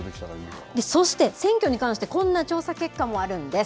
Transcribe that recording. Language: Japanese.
そして、選挙に関してこんな調査結果もあるんです。